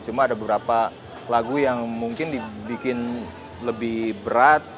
cuma ada beberapa lagu yang mungkin dibikin lebih berat